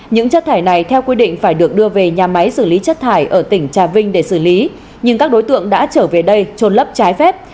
những chất thải này theo quy định phải được đưa về nhà máy xử lý chất thải ở tỉnh trà vinh để xử lý nhưng các đối tượng đã trở về đây trôn lấp trái phép